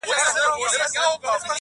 خپل گرېوان او خپل وجدان ته ملامت سو٫